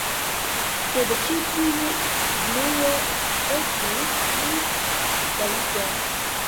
Sed ĉi tiu bruo estis pli gajiga.